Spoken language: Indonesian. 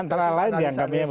antara lain yang gak bisa